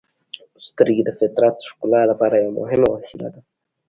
• سترګې د فطرت ښکلا لپاره یوه مهمه وسیله ده.